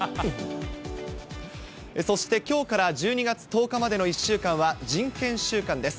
そしてきょうから１２月１０日までの１週間は人権週間です。